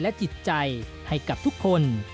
จิตใจให้กับทุกคน